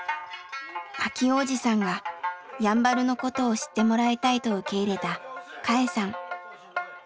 明男おじさんがやんばるのことを知ってもらいたいと受け入れたかえさん。